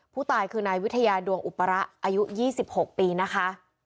ผู้ตายคือนายวิทยาดวงอุประอายุ๒๖ปีนะคะ